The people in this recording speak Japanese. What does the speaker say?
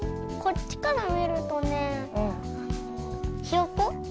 こっちからみるとねひよこ？